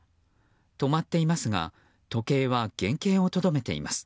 止まっていますが時計は原形をとどめています。